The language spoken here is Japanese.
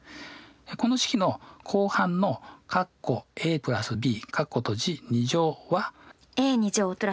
この式の後半のは？